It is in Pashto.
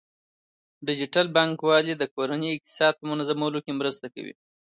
ډیجیټل بانکوالي د کورنۍ اقتصاد په منظمولو کې مرسته کوي.